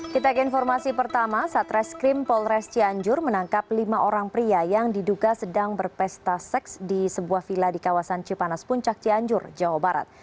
kita ke informasi pertama satreskrim polres cianjur menangkap lima orang pria yang diduga sedang berpesta seks di sebuah villa di kawasan cipanas puncak cianjur jawa barat